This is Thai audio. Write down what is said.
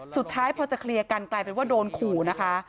สุดท้ายพอจะเคลียร์กันกลายเป็นว่าโดนขู่นะคะ